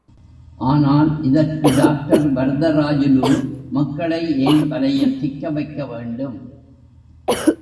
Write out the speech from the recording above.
ஆனால், இதற்கு டாக்டர் வரதராஜுலு, மக்களை ஏன் வலையில் சிக்க வைக்க வேண்டும்?